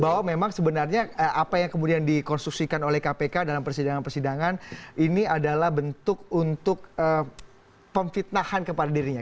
bahwa memang sebenarnya apa yang kemudian dikonstruksikan oleh kpk dalam persidangan persidangan ini adalah bentuk untuk pemfitnahan kepada dirinya